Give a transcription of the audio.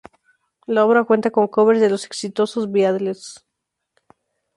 La obra cuenta con covers de los exitosos Beatles.